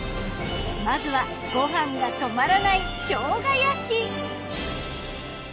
まずはご飯が止まらない生姜焼き。